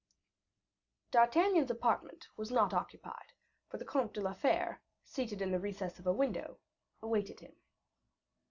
D'Artagnan's apartment was not unoccupied; for the Comte de la Fere, seated in the recess of a window, awaited him.